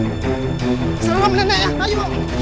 rafa kan masih hidup